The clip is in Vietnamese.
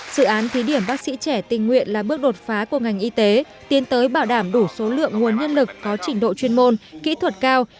sự án thí điểm bác sĩ trẻ tình nguyện là bước đột phá của ngành y tế tiến tới bảo đảm đủ số lượng nguồn nhân lực có trình độ chuyên môn kỹ thuật cao